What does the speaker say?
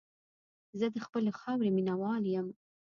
زه د خپلې خاورې مینه وال یم.